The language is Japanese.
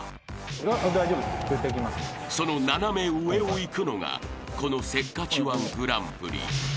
［その斜め上をいくのがこのせっかち−１グランプリ］